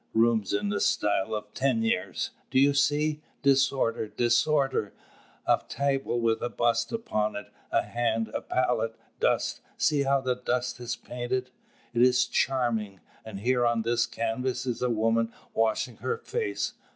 Rooms in the style of Teniers. Do you see? Disorder, disorder, a table with a bust upon it, a hand, a palette; dust, see how the dust is painted! It is charming. And here on this canvas is a woman washing her face.